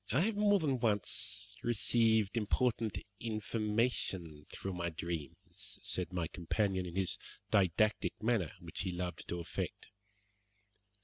"I have more than once received important information through my dreams," said my companion in the didactic manner which he loved to affect.